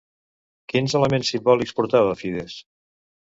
Quins elements simbòlics portava Fides?